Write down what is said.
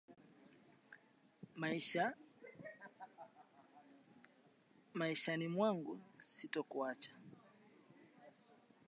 Maishani mwangu sitakuacha.